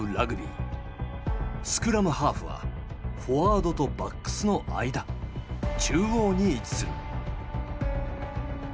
スクラムハーフはフォワードとバックスの間中央に位置する。